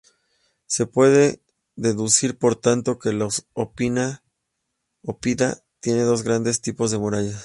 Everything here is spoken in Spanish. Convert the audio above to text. Se puede deducir, por tanto, que los "oppida" tienen dos grandes tipos de murallas.